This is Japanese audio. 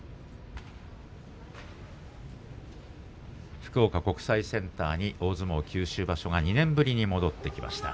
福岡国際センターに大相撲九州場所が２年ぶりに戻ってきました。